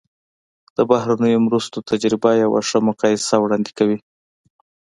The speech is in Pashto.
د بهرنیو مرستو تجربه یوه ښه مقایسه وړاندې کوي.